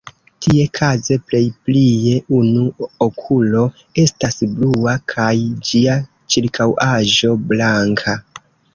Tie kaze plej plie unu okulo estas blua, kaj ĝia ĉirkaŭaĵo blanka.